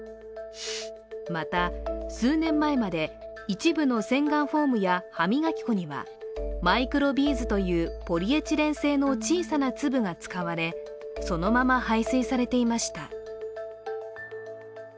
また数年前まで一部の洗顔フォームや歯磨き粉にはマイクロビーズというポリエチレン製の小さな粒が使われそのまま排水されていました。